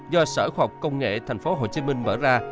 do sở khoa học công nghệ tp hcm mở ra